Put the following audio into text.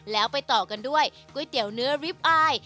แล้วไปต่อกันด้วยก๋วยเตี๋ยวเนื้อริปอาย